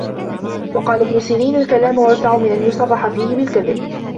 وَقَالَ ابْنُ سِيرِينَ الْكَلَامُ أَوْسَعُ مِنْ أَنْ يُصَرَّحَ فِيهِ بِالْكَذِبِ